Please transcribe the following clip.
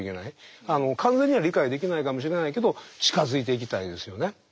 完全には理解できないかもしれないけど近づいていきたいですよね。